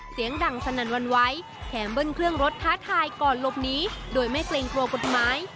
เสียงดั่งสันนวันวายแถมบินเครื่องรถท้าทายก่อนลบนี้โดยไม่เกรงกลัวกุธไม้